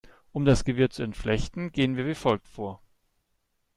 Um das Gewirr zu entflechten, gehen wir wie folgt vor.